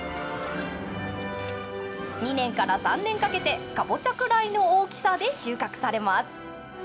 ２年から３年かけてかぼちゃくらいの大きさで収穫されます。